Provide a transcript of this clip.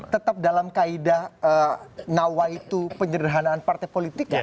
tetap dalam kaedah nawai itu penyederhanaan partai politik ya